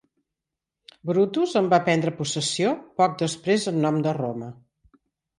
Brutus en va prendre possessió poc després en nom de Roma.